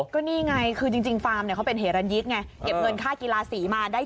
ก็นี่ไงคือจริงฟาร์มเนี่ยเขาเป็นเหรันยิกไงเก็บเงินค่ากีฬาสีมาได้